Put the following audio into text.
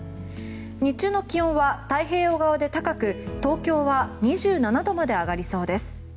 日中の気温は太平洋側で高く東京は２７度まで上がりそうです。